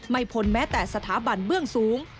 พ้นแม้แต่สถาบันเบื้องสูง